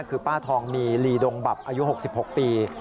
คือป้าทองมีลีดงบับอายุ๖๖ปี